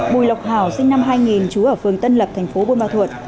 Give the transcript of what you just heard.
bùi lộc hảo sinh năm hai nghìn trú ở phường tân lập thành phố vân ba thuật